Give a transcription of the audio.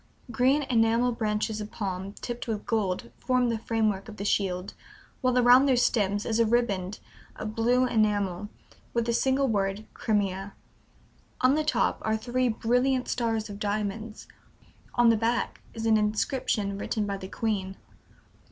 Green enamel branches of palm, tipped with gold, form the framework of the shield, while around their stems is a riband of blue enamel, with the single word 'Crimea.' On the top are three brilliant stars of diamonds. On the back is an inscription written by the Queen."